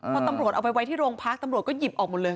พอตำรวจเอาไปไว้ที่โรงพักตำรวจก็หยิบออกหมดเลย